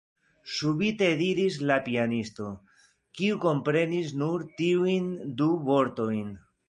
subite diris la pianisto, kiu komprenis nur tiujn du vortojn.